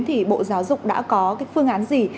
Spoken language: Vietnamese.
thì bộ giáo dục đã có cái phương án gì